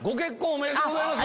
ありがとうございます。